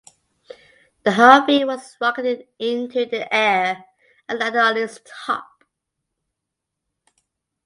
The Humvee was rocketed into in the air and landed on its top.